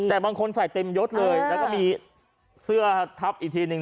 แต่บางคนใส่เต็มยดเลยแล้วก็มีเสื้อทับอีกทีหนึ่ง